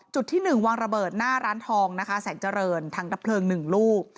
ที่๑วางระเบิดหน้าร้านทองนะคะแสงเจริญถังดับเพลิง๑ลูก